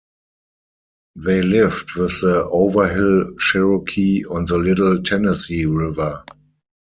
They lived with the Overhill Cherokee on the Little Tennessee River.